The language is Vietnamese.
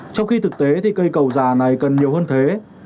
trong khi thực tế thì cây cầu già này cần nhiều hơn thế